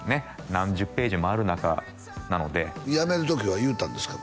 何十ページもある中なのでやめる時は言うたんですか？